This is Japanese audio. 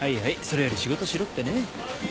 それより仕事しろってね。